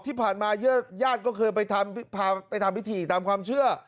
ที่ผ่านมาญาติก็เคยไปทำพิธีตามความเชื่อ